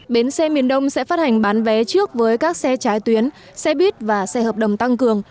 bến xe miền đông sẽ phát hành bán vé trước với các xe trái tuyến xe buýt và xe hợp đồng tăng cường